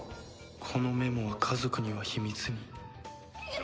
「このメモは家族には秘密に」。